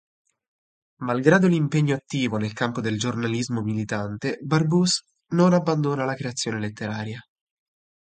Malgrado l'impegno attivo nel campo del giornalismo militante, Barbusse non abbandona la creazione letteraria.